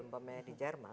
misalnya di jerman